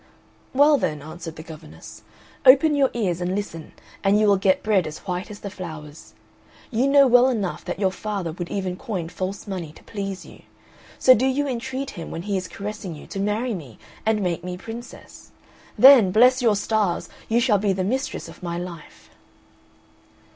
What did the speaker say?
"Well, then," answered the governess, "open your ears and listen, and you will get bread as white as the flowers. You know well enough that your father would even coin false money to please you, so do you entreat him when he is caressing you to marry me and make me Princess. Then, bless your stars! you shall be the mistress of my life."